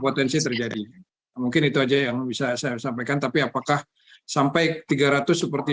satu ratus lima puluh potensi terjadi mungkin itu aja yang bisa saya sampaikan tapi apakah sampai tiga ratus seperti